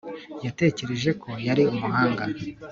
yatekereje ko yari umuhanga